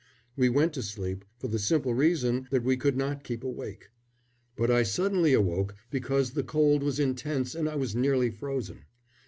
We went to sleep, for the simple reason that we could not keep awake; but I suddenly awoke, because the cold was intense and I was nearly frozen.